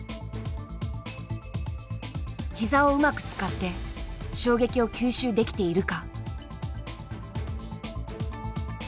膝をうまく使って衝撃を吸収できているか。